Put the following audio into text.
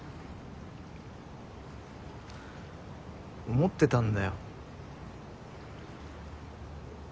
思ってたんだよ。